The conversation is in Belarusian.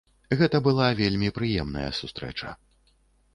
Гэта была вельмі прыемная сустрэча.